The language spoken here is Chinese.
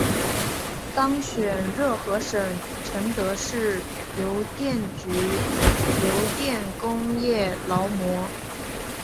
当选热河省承德市邮电局邮电工业劳模。